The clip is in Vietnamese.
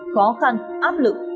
khó khăn áp lực